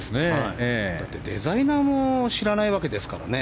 だってデザイナーが知らないわけですからね。